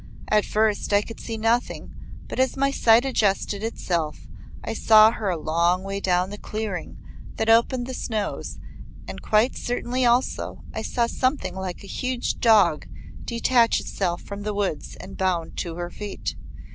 At first I could see nothing but as my sight adjusted itself I saw her a long way down the clearing that opened the snows, and quite certainly also I saw something like a huge dog detach itself from the woods and bound to her feet.